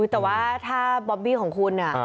แต่ว่าถ้าบอบบี้ของคุณ